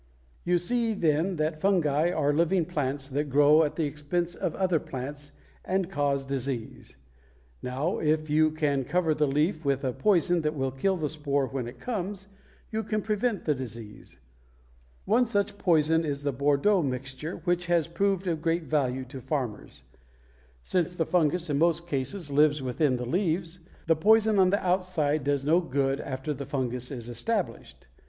You see, then, that fungi are living plants that grow at the expense of other plants and cause disease. Now if you can cover the leaf with a poison that will kill the spore when it comes, you can prevent the disease. One such poison is the Bordeaux (bôr do') mixture, which has proved of great value to farmers. Since the fungus in most cases lives within the leaves, the poison on the outside does no good after the fungus is established.